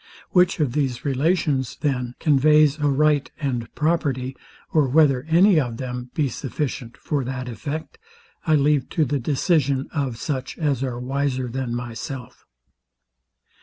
Which of these relations, then, conveys a right and property, or whether any of them be sufficient for that effect, I leave to the decision of such as are wiser than myself.